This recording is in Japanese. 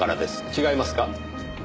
違いますか？